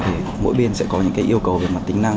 thì mỗi bên sẽ có những cái yêu cầu về mặt tính năng